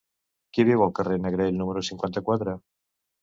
Qui viu al carrer de Negrell número cinquanta-quatre?